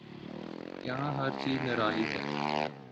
یہاں ہر چیز نرالی ہے۔